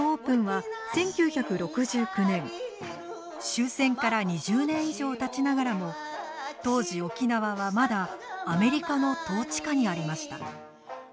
終戦から２０年以上たちながらも当時沖縄はまだアメリカの統治下にありました。